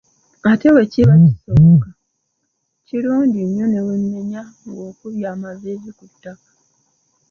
Ate bwe kiba kisoboka, kirungi nnyo ne weemenya ng'okubye amaviivi ku ttaka.